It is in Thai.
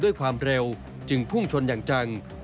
ด้วยความเร็วจึงพุ่งชนอย่างจัง